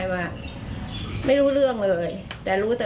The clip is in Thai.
คือเรารู้ตัวเราก็จะได้รุนของขึ้นเก็บของขึ้นที่สูงได้